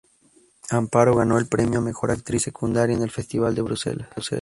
Amparo ganó el premio a mejor actriz secundaria en el "Festival de Bruselas".